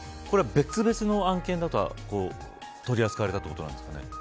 これは別々の案件と取り扱われたということですか。